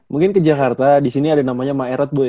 mungkin ke jakarta disini ada namanya maerot gue ya